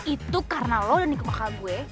itu karena lo udah nikah kakak gue